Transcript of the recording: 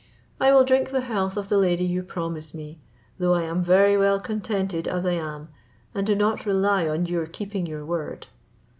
I will drink the health of the lady you promise me, though I am very well contented as I am, and do not rely on your keeping your word."